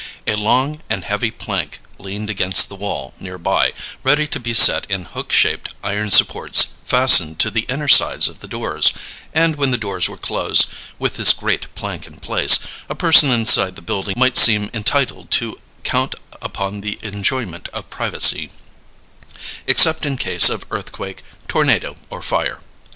A long and heavy plank leaned against the wall, near by, ready to be set in hook shaped iron supports fastened to the inner sides of the doors; and when the doors were closed, with this great plank in place, a person inside the building might seem entitled to count upon the enjoyment of privacy, except in case of earthquake, tornado, or fire.